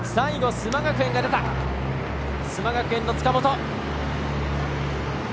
須磨学園の塚本。